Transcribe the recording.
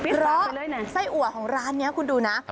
ไส้อัวของร้านนี้คุณดูนะ